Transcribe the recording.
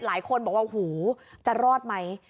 หลายคนบอกว่าหูจะรอดไหม